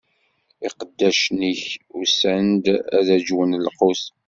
Iqeddacen-ik usan-d ad aǧwen lqut.